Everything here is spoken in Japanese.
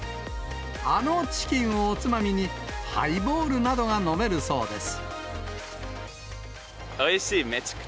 あのチキンをおつまみに、ハイボールなどが飲めるそうです。